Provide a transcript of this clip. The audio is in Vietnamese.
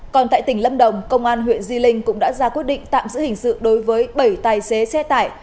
còn tại tỉnh lâm đồng công an huyện di linh cũng đã ra quyết định tạm giữ hình sự đối với bảy tài xế xe tải